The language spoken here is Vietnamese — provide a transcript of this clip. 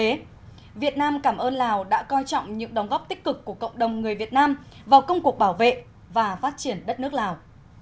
vì thế việt nam cảm ơn lào đã coi trọng những đóng góp tích cực của cộng đồng người việt nam vào công cuộc bảo vệ và phát triển đất nước lào